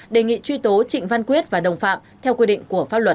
đề nghị truy tố trịnh văn quyết và đồng phạm theo quy định của pháp luật